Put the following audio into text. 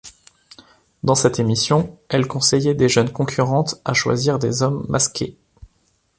Dans cette émission, elle conseillait des jeunes concurrentes à choisir des hommes masqués.